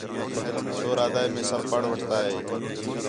چھور آہدا ہِے مے سب پڑھ رٹھٹا ہِے